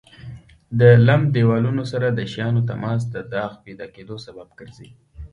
د لمد دېوالونو سره د شیانو تماس د داغ پیدا کېدو سبب ګرځي.